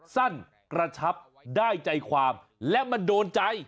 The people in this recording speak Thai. สั้นกระชับได้ใจความและมันโดนใจ